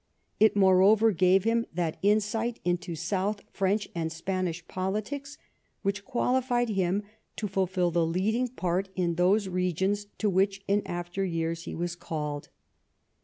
It, moreover, gave him tjiat insight into south French and Spanish politics AA^hich qualified liim to fulfil the leading part in those regions to Avliich in after yeai's he AA as called.